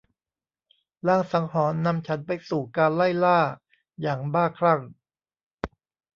ลางสังหรณ์นำฉันไปสู่การไล่ล่าอย่างบ้าคลั่ง